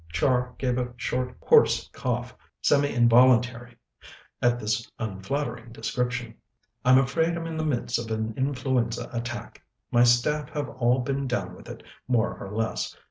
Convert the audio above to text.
Char gave a short, hoarse cough, semi involuntary, at this unflattering description. "I'm afraid I'm in the midst of an influenza attack. My staff have all been down with it, more or less.